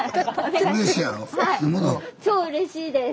超うれしいです。